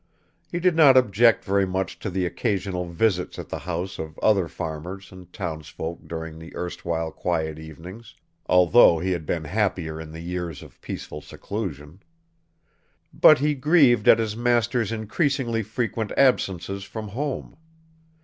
He did not object very much to the occasional visits at the house of other farmers and townsfolk during the erstwhile quiet evenings, although he had been happier in the years of peaceful seclusion. But he grieved at his master's increasingly frequent absences from home.